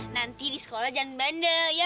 nanti di sekolah jangan bandel ya